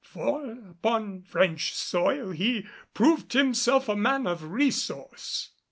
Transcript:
For upon French soil he proved himself a man of resource.